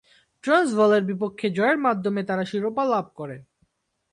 ট্রান্সভালের বিপক্ষে জয়ের মাধ্যমে তারা শিরোপা লাভ করে।